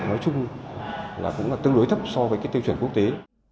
nói chung là cũng là tương đối thấp so với cái tiêu chuẩn quốc tế